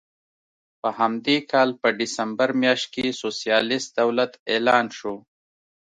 په همدې کال په ډسمبر میاشت کې سوسیالېست دولت اعلان شو.